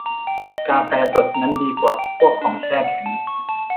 กาแฟสดนั้นดีกว่าพวกของแช่แข็ง